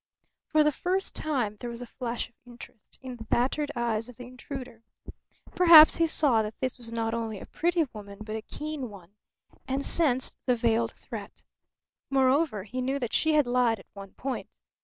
For the first time there was a flash of interest in the battered eyes of the intruder. Perhaps he saw that this was not only a pretty woman but a keen one, and sensed the veiled threat. Moreover, he knew that she had lied at one point.